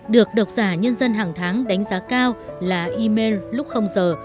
được độc giả nhân dân hàng tháng đánh giá cao là e mail lúc không giờ